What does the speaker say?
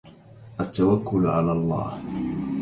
التوكل على الله